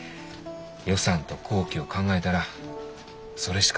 予算と工期を考えたらそれしか手はないき。